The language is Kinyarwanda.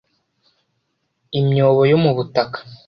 imyobo yo mu butaka